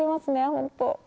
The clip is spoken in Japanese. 本当。